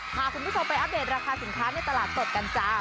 พาคุณผู้ชมไปอัปเดตราคาสินค้าในตลาดสดกันจ้า